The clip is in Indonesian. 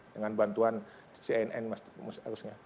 dengan bantuan cnn harusnya